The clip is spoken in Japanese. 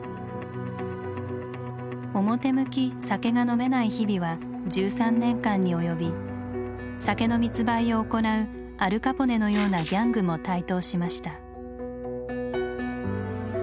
表向き酒が飲めない日々は１３年間に及び酒の密売を行うアル・カポネのようなギャングも台頭しました。